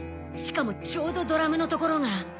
しかもちょうどドラムの所が。